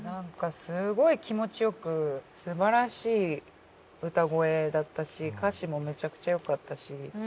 すごい気持ちよくすばらしい歌声だったし歌詞もメチャクチャよかったし。